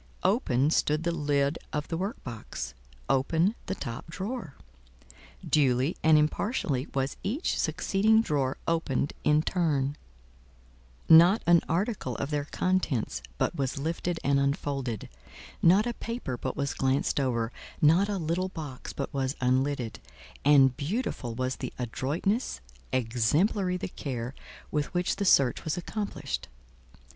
Open stood the lid of the work box, open the top drawer; duly and impartially was each succeeding drawer opened in turn: not an article of their contents but was lifted and unfolded, not a paper but was glanced over, not a little box but was unlidded; and beautiful was the adroitness, exemplary the care with which the search was accomplished.